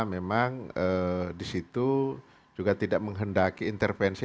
memang disitu juga tidak menghendaki intervensi